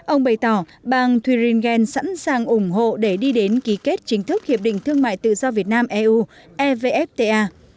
ông bày tỏ bang thuringen sẵn sàng ủng hộ để đi đến ký kết chính thức hiệp định thương mại tự do việt nam eu evfta